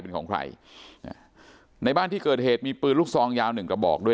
เป็นของใครในบ้านที่เกิดเหตุมีปืนลูกซองยาวหนึ่งกระบอกด้วย